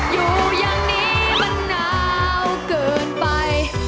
อยู่อย่างนี้มันหนาวเกินไป